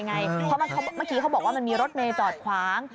เพราะเมื่อกี้เขาบอกว่ามันมีรถเมย์จอดขวาง